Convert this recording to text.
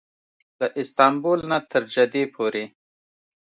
له استانبول نه تر جدې پورې.